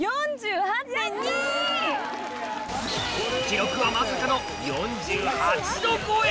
記録はまさかの４８℃超え！